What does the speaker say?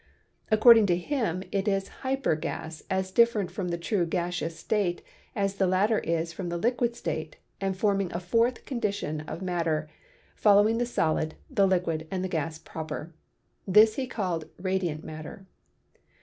According to him it is a hyper gas as different from the true gaseous state as the latter is from the liquid state and forming a fourth condition of AN ANALYSIS OF MATTER 15 matter, following the solid, the liquid and the gas proper; this he called radiant matter.